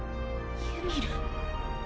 ユミル。